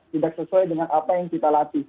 tidak sesuai dengan apa yang kita latih